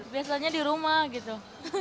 biasanya di rumah gitu